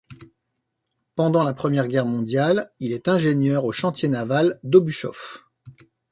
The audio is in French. Pendant la Première Guerre mondiale, il est ingénieur au chantier naval d'Obuschof.